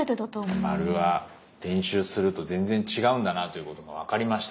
丸は練習すると全然違うんだなということが分かりました。